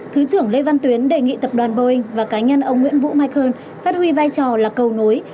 thứ trưởng lê văn tuyến đề nghị tập đoàn boeing và cá nhân ông nguyễn vũ mai cơn phát huy vai trò là cầu nối